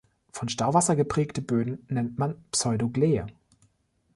Von Stauwasser geprägte Böden nennt man Pseudogleye.